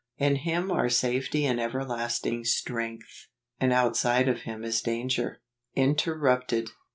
In Him are safety and everlasting strength, and outside of Him is danger. Interrupted.